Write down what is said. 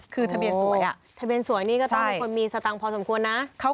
คือทะเบียนสวยนี่ก็ต้องเป็นคนมีสตางค์พอสมควรนะ